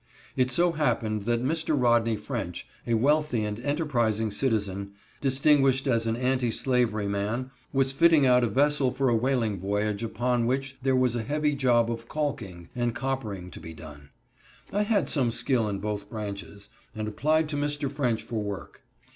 It so happened that Mr. Rodney French, a wealthy and enterprising citizen, distinguished as an anti slavery man, was fitting out a vessel for a whaling voyage, upon which there was a heavy job of calking and coppering to be done. I had some skill in both branches, and applied to Mr. French for work.